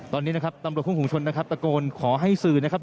ตอนนี้นะครับตำรวจคุมภูมิชนนะครับตะโกนขอให้สื่อนะครับ